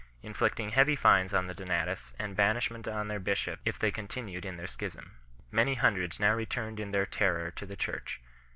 347 inflicting heavy fines on the Donatists and banishment on their bishops if they continued in their schism. Many hundreds now returned in their terror to the Church.